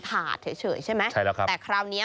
ถาดเฉยใช่ไหมแต่คราวนี้